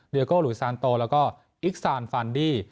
เดี๋ยวโกหลุยซานโตแล้วก็อิกซานฟานดี้